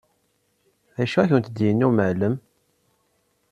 D acu i kent-d-yenna umɛellem?